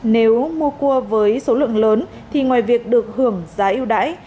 nếu mua cua với số lượng lớn thì ngoài việc được hưởng giá yêu đáy